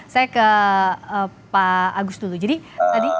saya ke pak agus dulu jadi tadi